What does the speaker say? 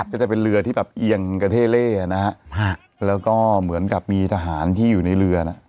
ก็จะเป็นเรือที่แบบเอียงกระเท่เล่นะฮะแล้วก็เหมือนกับมีทหารที่อยู่ในเรือนะ